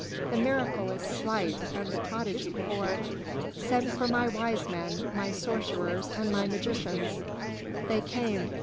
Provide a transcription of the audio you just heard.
The miracle is slight, and the prodigy poor. Send for my wise men, my sorcerers and my magicians." They came.